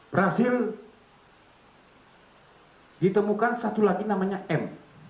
berhasil ditemukan satu lagi namanya m